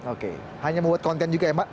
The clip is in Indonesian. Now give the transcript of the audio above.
oke hanya membuat konten juga ya mbak